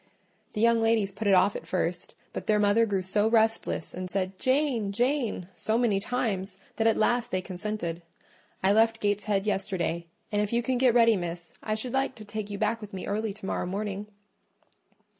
The young ladies put it off at first; but their mother grew so restless, and said, 'Jane, Jane,' so many times, that at last they consented. I left Gateshead yesterday: and if you can get ready, Miss, I should like to take you back with me early to morrow morning."